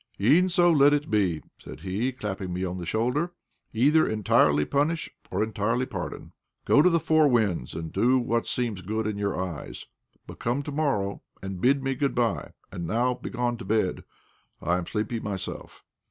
"E'en so let it be," said he, clapping me on the shoulder; "either entirely punish or entirely pardon. Go to the four winds and do what seems good in your eyes, but come to morrow and bid me good bye; and now begone to bed I am sleepy myself."